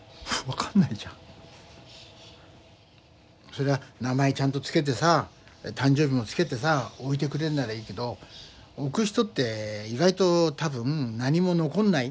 そりゃ名前ちゃんとつけてさ誕生日もつけてさ置いてくれるならいいけど置く人って意外と多分何も残んない。